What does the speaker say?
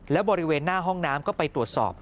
และบริเวณหน้าห้องน้ำก็ไปตรวจสอบ